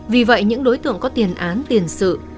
vì vậy những đối tượng có tiền án tiền sự